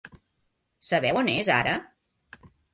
Sabeu on és ara?